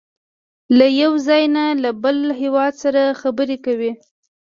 له یو ځای نه له بل هېواد سره خبرې کوي.